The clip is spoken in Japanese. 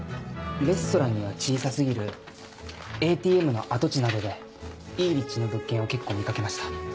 レストランには小さ過ぎるＡＴＭの跡地などでいい立地の物件を結構見掛けました。